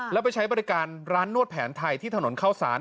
แล้วไปใช้บริการร้านนวดแผนไทยที่ถนนเข้าสาร